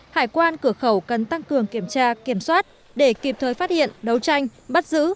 hải quan cửa khẩu cần tăng cường kiểm tra kiểm soát để kịp thời phát hiện đấu tranh bắt giữ